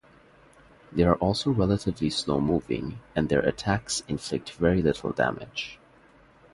They are also relatively slow-moving and their attacks inflict very little damage.